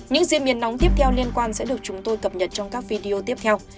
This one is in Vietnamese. những diễn biến nóng tiếp theo liên quan sẽ được chúng tôi cập nhật trong các video tiếp theo